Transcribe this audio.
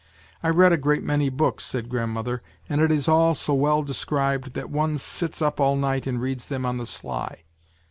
I read a great many books,' said grandmother, ' and it is all so well described that one sits up all night and reads them on the sly.